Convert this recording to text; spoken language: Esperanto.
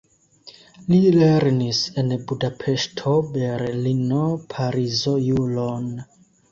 Li lernis en Budapeŝto, Berlino, Parizo juron.